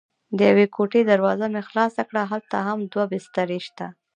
د یوې کوټې دروازه مې خلاصه کړه: هلته هم دوه بسترې شته.